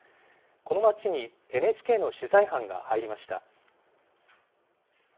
この町にＮＨＫの取材班が入りました。